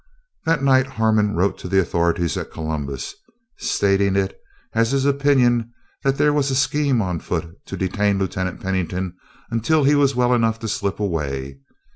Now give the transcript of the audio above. That night Harmon wrote to the authorities at Columbus, stating it as his opinion that there was a scheme on foot to detain Lieutenant Pennington until he was well enough to slip away.